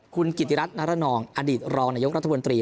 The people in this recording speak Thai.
คุณกิติรัฐนรนองอดีตรองนายกรัฐมนตรี